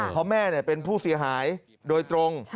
เพราะแม่เป็นผู้เสียหายโดยตรง